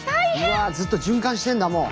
うわずっと循環してんだもう！